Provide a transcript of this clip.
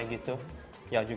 yang gratis untuk startup